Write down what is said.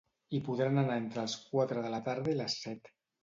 Hi podran anar entre els quatre de la tarda i les set.